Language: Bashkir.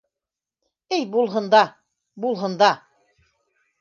Әй, булһын да... булһын да...